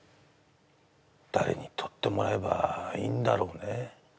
誰に撮ってもらえばいいんだろうね